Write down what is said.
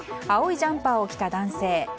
青いジャンパーを着た男性。